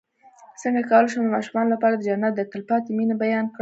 څنګه کولی شم د ماشومانو لپاره د جنت د تل پاتې مینې بیان کړم